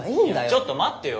ちょっと待ってよ。